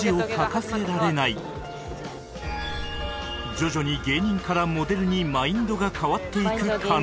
徐々に芸人からモデルにマインドが変わっていく加納